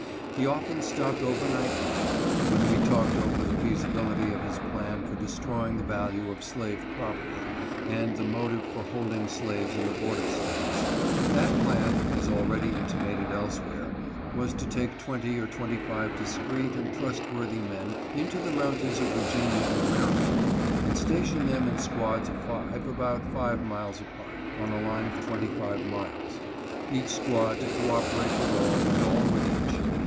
He often stopped over night with me, when we talked over the feasibility of his plan for destroying the value of slave property, and the motive for holding slaves in the border States. That plan, as already intimated elsewhere, was to take twenty or twenty five discreet and trustworthy men into the mountains of Virginia and Maryland, and station them in squads of five, about five miles apart, on a line of twenty five miles ; each squad to co operate with all, and all with each.